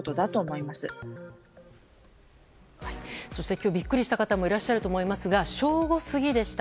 今日、ビックリした方もいらっしゃいますが正午過ぎでした。